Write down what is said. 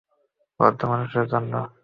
ভদ্র মানুষদের জন্য।